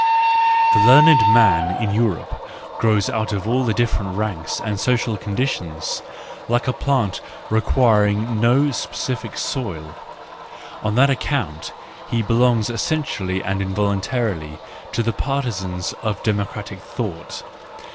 —The learned man in Europe grows out of all the different ranks and social conditions, like a plant requiring no specific soil: on that account he belongs essentially and involuntarily to the partisans of democratic thought.